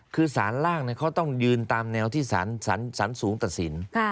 คือสารล่างเขาต้องยืนตามแนวที่สารสูงตัดสิน